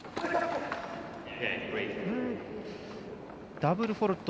ダブルフォールト。